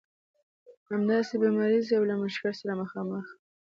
همداسې به مریض وي او له مشکل سره مخامخ وي.